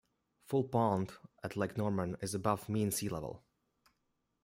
Full pond at Lake Norman is above mean sea level.